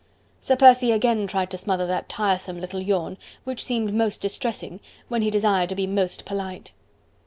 Sir Percy again tried to smother that tiresome little yawn, which seemed most distressing, when he desired to be most polite.